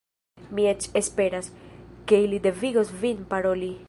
Mi eĉ esperas, ke ili devigos vin paroli.